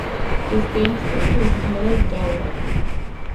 His dance partner was Camilla Dallerup.